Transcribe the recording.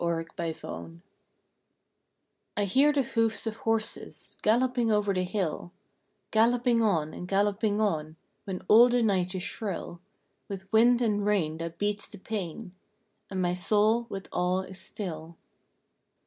RAIN AND WIND I hear the hoofs of horses Galloping over the hill, Galloping on and galloping on, When all the night is shrill With wind and rain that beats the pane And my soul with awe is still.